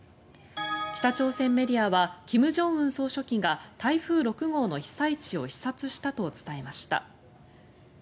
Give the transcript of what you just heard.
北朝鮮メディアは金正恩総書記が台風６号の被災地を視察したと伝えました。